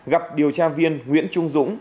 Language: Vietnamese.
gặp điều tra viên nguyễn trung dũng